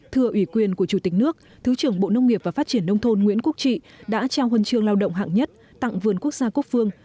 thưa ủy quyền của chủ tịch nước thứ trưởng bộ nông nghiệp và phát triển nông thôn nguyễn quốc trị đã trao huân trường lao động hạng nhất tặng vườn quốc gia quốc phương